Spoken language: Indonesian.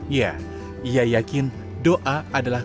ya ia yakin doa adalah